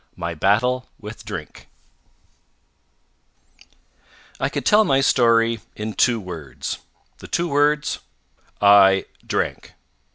MY BATTLE WITH DRINK I could tell my story in two words the two words "I drank."